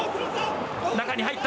中に入った。